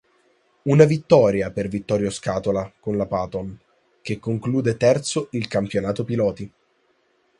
Una vittoria per Vittorio Scatola con la Paton, che conclude terzo il campionato piloti.